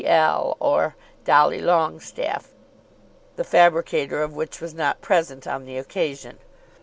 L , or Dolly Longestaffe, the fabricator of which was not present on the occasion.